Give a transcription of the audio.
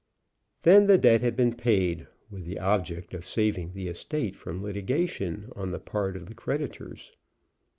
Then the debt had been paid with the object of saving the estate from litigation on the part of the creditors.